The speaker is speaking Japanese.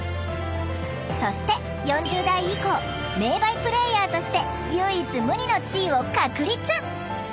そして４０代以降名バイプレーヤーとして唯一無二の地位を確立！